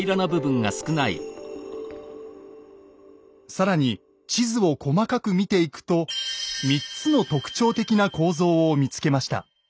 更に地図を細かく見ていくと３つの特徴的な構造を見つけました。